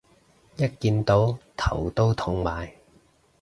一見到頭都痛埋